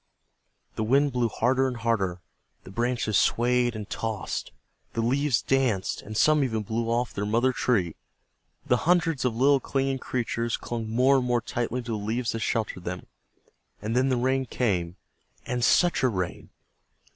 The wind blew harder and harder, the branches swayed and tossed, the leaves danced, and some even blew off of their mother trees; the hundreds of little clinging creatures clung more and more tightly to the leaves that sheltered them, and then the rain came, and such a rain!